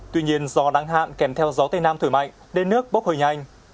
tuy nhiên do đăng hạn kèm theo gió tây nam thổi mạnh đêm nước bốc hơi nhanh